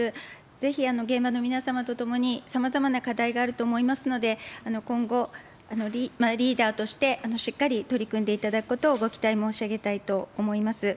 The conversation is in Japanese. ぜひ現場の皆様と共に、さまざまな課題があると思いますので、今後、リーダーとして、しっかり取り組んでいただくことをご期待申し上げたいと思います。